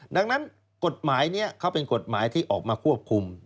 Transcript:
ดังนั้นกฎหมายนี้เขาเป็นกฎหมายที่ออกมาควบคุม